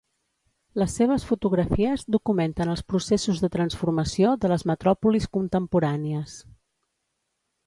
Les seves fotografies documenten els processos de transformació de les metròpolis contemporànies.